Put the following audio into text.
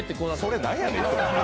それなんやねん！